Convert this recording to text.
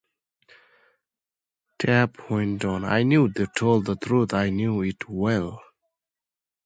I knew they told the truth — I knew it well.